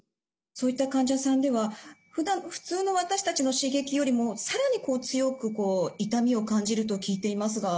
そういった患者さんでは普通の私たちの刺激よりも更にこう強く痛みを感じると聞いていますが。